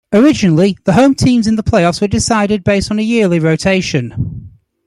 Originally, the home teams in the playoffs were decided based on a yearly rotation.